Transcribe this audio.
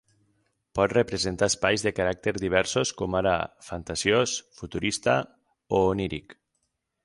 Pot representar espais de caràcter diversos com ara fantasiós, futurista o oníric.